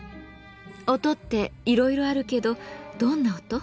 音っていろいろあるけどどんな音？